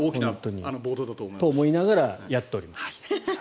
と、思いながらやっています。